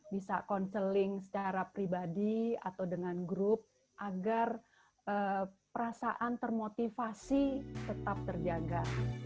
bisa counseling secara pribadi atau dengan grup agar perasaan termotivasi tetap terjaga